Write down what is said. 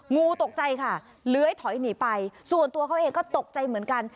งูตกใจค่ะเลื้อยถอยหนีไปส่วนตัวเขาเองก็ตกใจเหมือนกัน